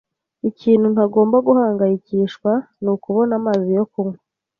Ikintu ntagomba guhangayikishwa nukubona amazi yo kunywa.